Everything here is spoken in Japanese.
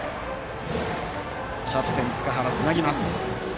キャプテン、塚原つなぎます。